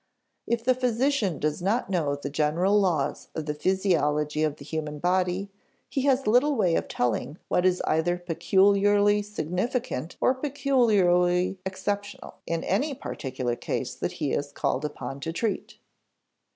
If the physician does not know the general laws of the physiology of the human body, he has little way of telling what is either peculiarly significant or peculiarly exceptional in any particular case that he is called upon to treat.